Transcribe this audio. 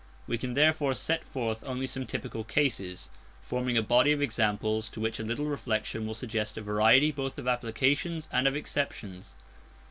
We can therefore set forth only some typical cases, forming a body of examples to which a little reflection will suggest a variety both of applications and of exceptions.